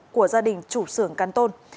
của gia đình chủ xưởng cán tôn